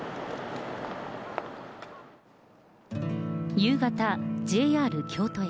夕方、ＪＲ京都駅。